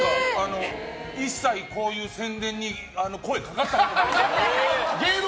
一切こういう宣伝に声かかったことないけど。